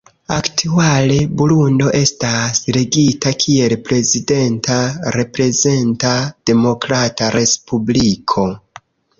Aktuale, Burundo estas regita kiel prezidenta reprezenta demokrata respubliko.